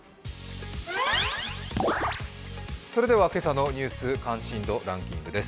それでは今朝の「ニュース関心度ランキング」です。